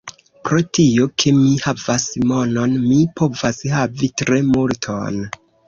Pro tio, ke mi havas monon, mi povas havi tre multon.